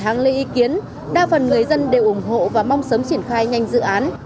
tháng lê ý kiến đa phần người dân đều ủng hộ và mong sớm triển khai nhanh dự án